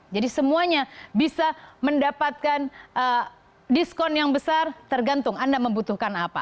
jadi semuanya bisa mendapatkan diskon yang besar tergantung anda membutuhkan apa